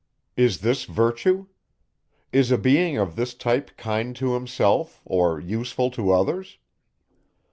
Is this virtue? Is a being of this type, kind to himself, or useful to others?